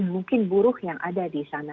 mungkin buruh yang ada di sana